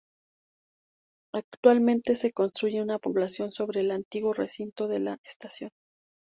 Actualmente se construyó una población sobre el antiguo recinto de la estación.